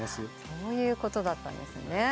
そういうことだったんですね。